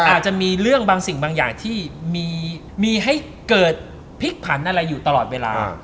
อาจจะมีเรื่องบางสิ่งบางอย่างที่มีให้เกิดพลิกผันอะไรอยู่ตลอดเวลา